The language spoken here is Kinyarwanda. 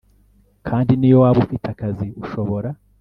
kandi niyo waba ufite akazi, ushobora